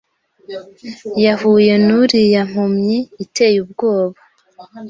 yahuye nuriya mpumyi iteye ubwoba.